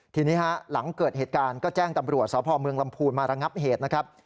ทีนี้หลังเกิดเหตุการณ์ก็แจ้งตำรวจสพเมืองลำพูนมาระงับเหตุนะครับ